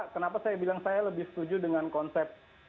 kenapa saya bilang saya lebih setuju dengan konsep